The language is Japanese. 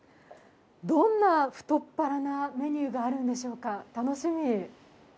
どんな太っ腹なメニューがあるんでしょうか、楽しみ。